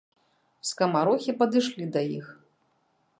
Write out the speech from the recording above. Скамарохі падышлі да іх.